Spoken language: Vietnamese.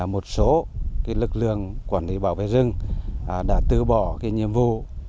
một số lực lượng quản lý bảo vệ rừng đã từ bỏ nhiệm vụ